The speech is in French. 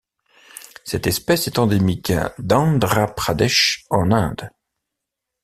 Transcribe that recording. Cette espèce est endémique d'Andhra Pradesh en Inde.